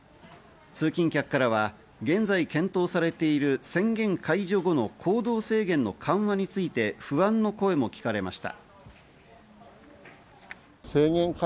通勤客からは現在検討されている宣言解除後の行動制限の緩和について、不安の声も聞かれました。